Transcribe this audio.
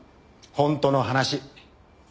本当の話。